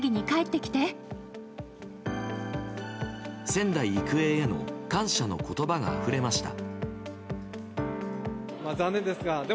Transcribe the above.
仙台育英への感謝の言葉があふれました。